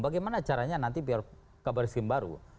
bagaimana caranya nanti biar kabar reskim baru